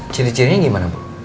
ciri cirinya gimana pak